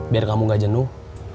biar kamu gak jenuh